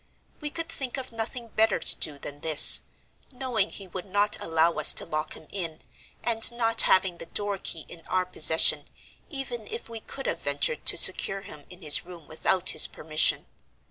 We could think of nothing better to do than this, knowing he would not allow us to lock him in, and not having the door key in our possession, even if we could have ventured to secure him in his room without his permission.